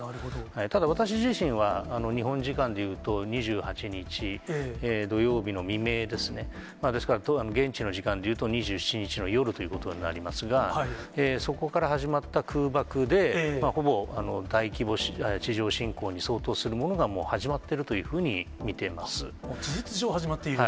ただ私自身は、日本時間で言うと２８日土曜日の未明ですね、ですから、現地の時間でいうと２７日の夜ということになりますが、そこから始まった空爆で、ほぼ大規模地上侵攻に相当するものがもう始まっているというふう事実上、始まっている。